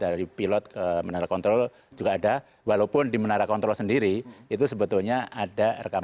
dari pilot ke menara kontrol juga ada walaupun di menara kontrol sendiri itu sebetulnya ada rekaman